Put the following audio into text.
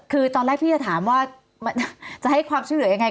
คือตอนแรกพี่จะถามว่าจะให้ความช่วยเหลือยังไง